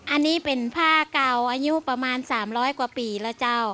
อันนี้เป็นผ้าเก่าอายุประมาณ๓๐๐กว่าปีแล้วเจ้า